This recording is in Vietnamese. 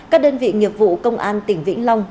các đơn vị nghiệp vụ công an tỉnh vĩnh long